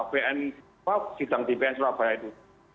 bn bahwa sidang di bn surabaya itu